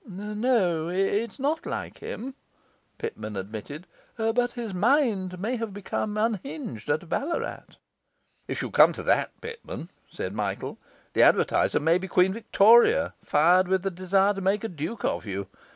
'No, it's not like him,' Pitman admitted. 'But his mind may have become unhinged at Ballarat.' 'If you come to that, Pitman,' said Michael, 'the advertiser may be Queen Victoria, fired with the desire to make a duke of you.